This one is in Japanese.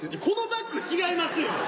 このバッグ違いますよ。